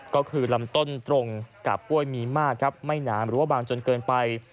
ก็คือลำต้นตรงกับกล้วยมีมากครับไม่หนามหรือว่าบางจนเกินไป